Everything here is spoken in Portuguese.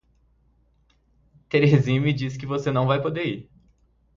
Terezinha me disse que você não vai poder vir.